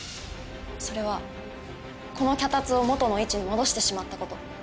それはこの脚立を元の位置に戻してしまったこと。